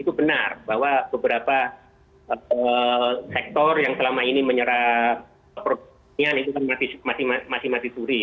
itu benar bahwa beberapa sektor yang selama ini menyerap keproduksi itu masih mati mati suri